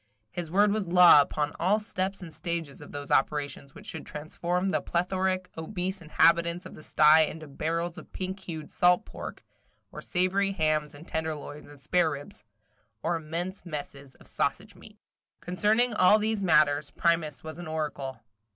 His word was law upon all steps and stages of those operations which should transform the plethoric, obese inhabitants of the sty into barrels of pink hued salt pork or savory hams and tenderloins and spareribs, or immense messes of sausage meat. Concerning all these matters, Primus was an oracle.